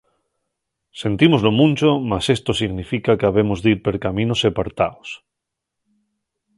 Sentímoslo muncho mas esto significa qu'habemos dir per caminos separtaos.